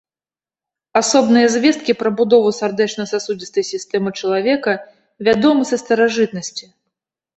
Асобныя звесткі пра будову сардэчна-сасудзістай сістэмы чалавека вядомы са старажытнасці.